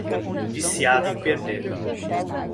Viciada em perder